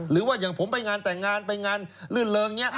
หรือว่าอย่างผมไปงานแต่งงานไปงานลื่นเริงอย่างนี้